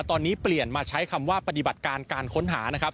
ตอนนี้เปลี่ยนมาใช้คำว่าปฏิบัติการการค้นหานะครับ